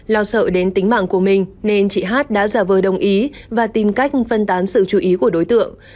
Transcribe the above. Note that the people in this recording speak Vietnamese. lo sợ đến tính mạng của mình nên chị hát đã giả vờ đồng ý và tìm cách phân tán sự chú ý của đối tượng